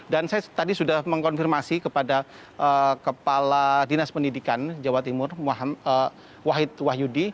dan saya tadi sudah mengkonfirmasi kepada kepala dinas pendidikan jawa timur wahid wahyudi